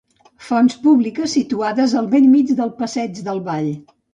Fonts públiques situades al bell mig del passeig del vall.